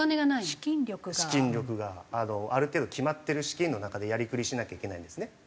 資金力がある程度決まってる資金の中でやりくりしなきゃいけないんですね。